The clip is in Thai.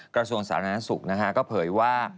กระทรวงศาลก็เผยว่า